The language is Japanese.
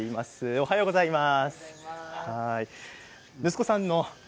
おはようございます。